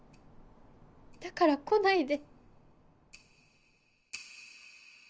・だから来ないで。